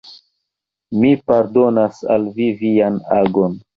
Mi pardonas al vi vian agon.